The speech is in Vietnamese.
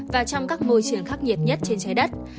và trong các môi trường khắc nghiệt nhất trên trái đất